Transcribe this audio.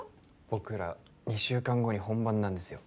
僕ら二週間後に本番なんですよ